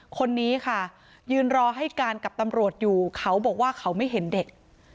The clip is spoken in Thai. คนนี้ค่ะยืนรอให้การกับตำรวจอยู่เขาบอกว่าเขาไม่เห็นเด็ก